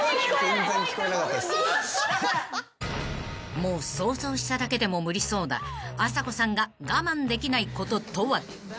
［もう想像しただけでも無理そうなあさこさんが我慢できないこととは？］